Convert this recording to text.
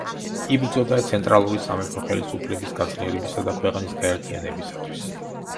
იბრძოდა ცენტრალური სამეფო ხელისუფლების გაძლიერებისა და ქვეყნის გაერთიანებისათვის.